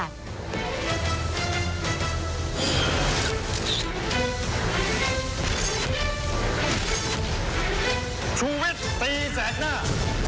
ชุวิตตีแสกหน้า